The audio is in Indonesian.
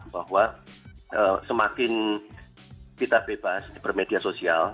bahwa semakin kita bebas di bermedia sosial